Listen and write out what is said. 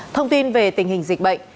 thông tin về tình hình dịch bệnh